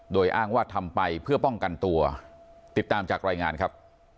โดยอ้างว่าทำไปเพื่อป้องกันตัวติดตามจากรายงานครับ